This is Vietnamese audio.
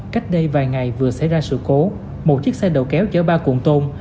cách đây vài ngày vừa xảy ra sự cố một chiếc xe đầu kéo chở ba cuồn tôn